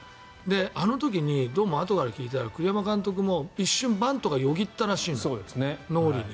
あの時にどうもあとから聞いたら栗山監督も一瞬、バントがよぎったらしい脳裏に。